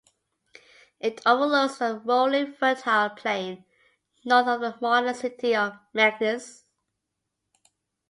It overlooks a rolling fertile plain north of the modern city of Meknes.